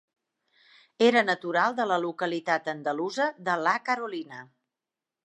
Era natural de la localitat andalusa de La Carolina.